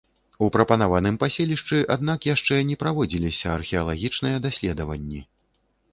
У прапанаваным паселішчы, аднак, яшчэ не праводзіліся археалагічныя даследаванні.